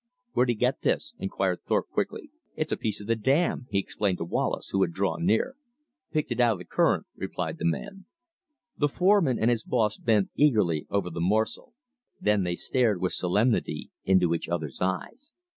"Where'd he get this?" inquired Thorpe, quickly. "It's a piece of the dam," he explained to Wallace, who had drawn near. "Picked it out of the current," replied the man. The foreman and his boss bent eagerly over the morsel. Then they stared with solemnity into each other's eyes.